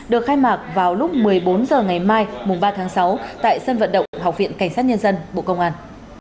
được khai mạc vào lúc một mươi bốn h ngày mai mùng ba tháng sáu tại sân vận động học viện cảnh sát nhân dân bộ công an